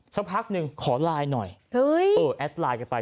สักพักหนึ่งขอไลน์หน่อยแอดไลน์กันไป